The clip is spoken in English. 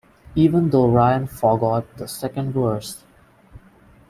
Even though Ryan forgot the second verse.